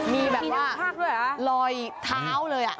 มีแบบว่าลอยเท้าเลย